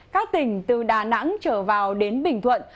các tỉnh từ đà nẵng trở vào đến bình thuận